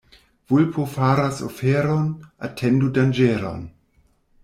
Vulpo faras oferon — atendu danĝeron.